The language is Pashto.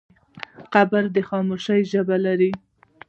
قبر د خاموشۍ ژبه لري.